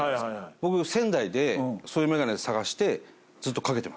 僕仙台でそういう眼鏡探してずっと掛けてました。